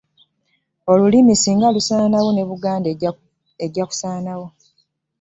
Olulimi singa lusaanawo ne Buganda ejja kusaanawo.